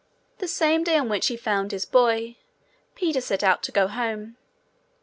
The same day on which he found his boy, Peter set out to go home.